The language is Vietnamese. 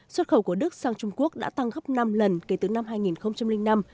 xuất khẩu của đức sang trung quốc đã tăng gấp năm lần kể từ năm hai nghìn năm